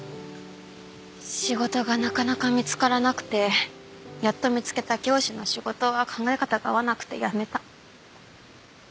仕事がなかなか見つからなくてやっと見つけた教師の仕事は考え方が合わなくて辞めた。